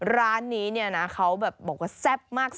ร้านนี้เขาแบบแบบแซ่บมาก